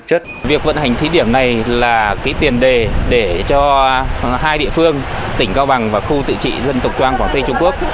là cái tiền đề để cho hai địa phương tỉnh cao bằng và khu tự trị dân tộc trang quảng tây trung quốc